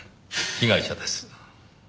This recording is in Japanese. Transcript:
被害者です。